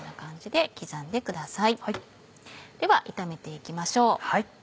では炒めて行きましょう。